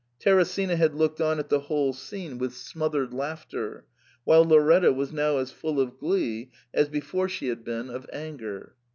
Teresina had looked on at the whole scene with smothered laughter, while Lauretta was now as full of glee as before she had been of anger.